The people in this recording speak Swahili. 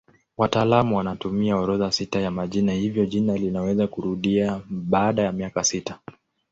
Wataalamu wanatumia orodha sita ya majina hivyo jina linaweza kurudia baada ya miaka sita.